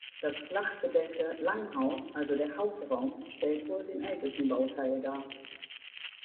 Das flachgedeckte Langhaus, also der Hauptraum, stellt wohl den ältesten Bauteil dar.